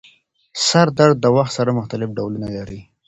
سردرد د وخت سره مختلف ډولونه لري.